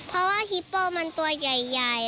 เพราะว่าฮิปโป้มันตัวใหญ่